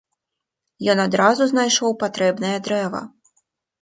Ён адразу знайшоў патрэбнае дрэва.